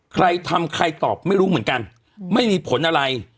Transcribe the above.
ใครทำใครตอบไม่รู้เหมือนกันไม่มีผลอะไร